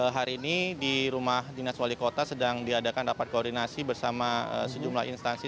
hari ini di rumah dinas wali kota sedang diadakan rapat koordinasi bersama sejumlah instansi